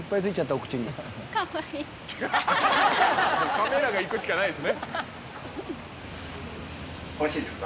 カメラがいくしかないですね。